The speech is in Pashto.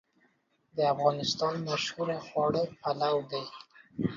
د افغانستان مشهور خواړه پلو دی